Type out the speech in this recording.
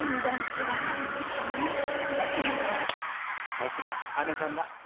さすが姐さんだ。